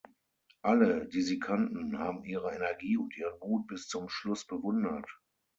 Alle, die sie kannten, haben ihre Energie und ihren Mut bis zum Schluss bewundert.